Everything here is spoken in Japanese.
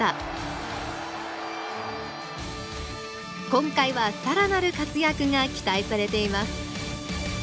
今回は更なる活躍が期待されています。